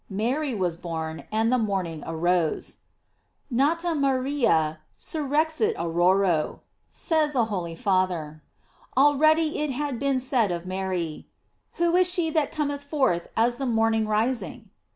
Mary was born, and the morning arose: "Nata Maria, surrexit auro ro,"says a holy Father. Already it had been said of Mary: "Who is she that cometh forth as the morning rising?"